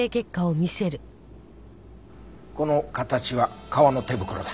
この形は革の手袋だ。